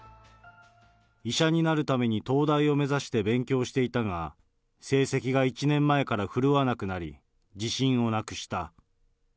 医者になるために東大を目指して勉強していたが、成績が１年前から振るわなくなり、自信をなくした。